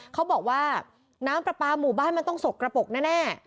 เขาบอกว่าน้ำปลาปลาหมู่บ้านมันต้องสกระปกแน่